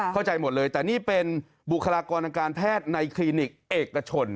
เข้าใจหมดเลยแต่นี่เป็นบุคลากรทางการแพทย์ในคลินิกเอกชน